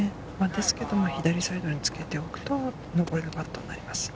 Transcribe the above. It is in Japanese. ですけども、左サイドにつけておくと、上れるパットになります。